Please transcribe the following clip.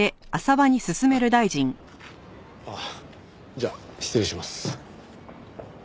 じゃあ失礼します。